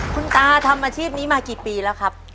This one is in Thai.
คุณตาทำอาชีพนี้มากี่ปีแล้วครับ